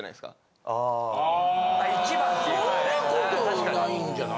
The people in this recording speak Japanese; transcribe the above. ・あ・そんなことないんじゃない？